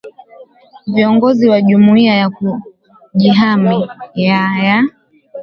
viongozi wa jumuiya ya kujihami ya ya